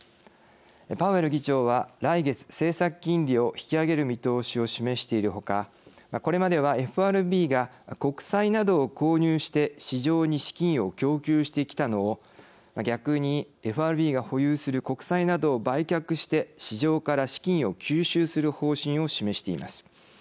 パウエル議長は、来月政策金利を引き上げる見通しを示しているほかこれまではＦＲＢが国債などを購入して市場に資金を供給してきたのを逆にＦＲＢが保有する国債などを売却して市場から資金を吸収する方針を示しています。